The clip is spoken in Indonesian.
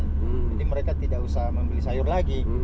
jadi mereka tidak usah membeli sayur lagi